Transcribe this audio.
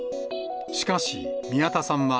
しかし宮田さんは、